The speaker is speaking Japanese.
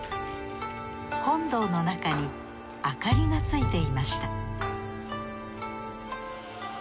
本堂の中に明かりがついていました